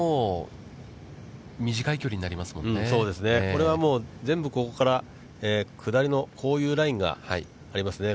これは全部ここから下りのこういうラインがありますね。